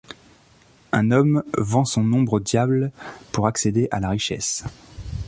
Un homme vend son ombre au diable pour accéder à la richesse.